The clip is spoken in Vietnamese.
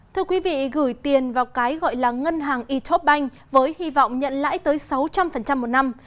thưa quý vị gửi tiền vào cái gọi là ngân hàng e top bank với hy vọng nhận lãi tới sáu trăm linh một năm